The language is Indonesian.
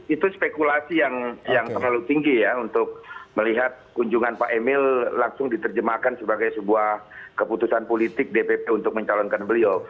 itu spekulasi yang terlalu tinggi ya untuk melihat kunjungan pak emil langsung diterjemahkan sebagai sebuah keputusan politik dpp untuk mencalonkan beliau